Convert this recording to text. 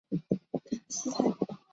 卡斯泰。